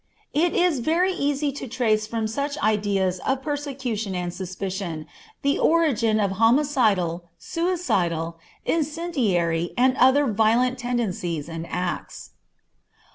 It is very easy to trace from such ideas of persecution and suspicion, the origin of homicidal, suicidal, incendiary and other violent tendencies and acts.